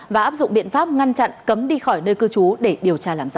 và áp dụng biện pháp ngăn chặn cấm đi khỏi nơi cư trú để điều tra làm rõ